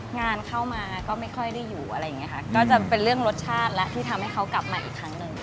งานเข้ามาก็ไม่ค่อยได้อยู่อะไรอย่างนี้ค่ะก็จะเป็นเรื่องรสชาติแล้วที่ทำให้เขากลับมาอีกครั้งหนึ่ง